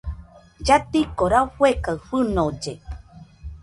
Lladiko rafue kaɨ fɨnolle.